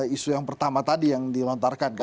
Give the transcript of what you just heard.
isu yang pertama tadi yang dilontarkan kan